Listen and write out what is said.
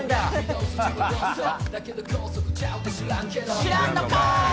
知らんのかい